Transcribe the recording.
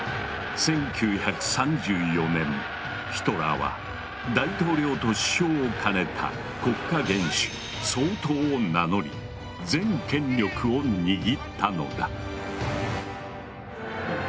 １９３４年ヒトラーは大統領と首相を兼ねた国家元首「総統」を名乗り全権力を握ったのだ。